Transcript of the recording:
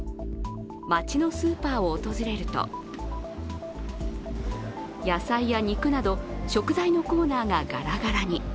町のスーパーを訪れると野菜や肉など食材のコーナーがガラガラに。